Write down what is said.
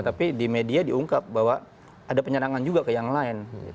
tapi di media diungkap bahwa ada penyerangan juga ke yang lain